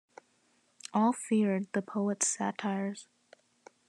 All feared the poet's satires.